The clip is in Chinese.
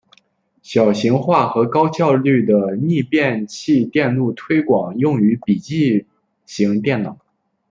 小型化和高效率的逆变器电路推广用于笔记型电脑。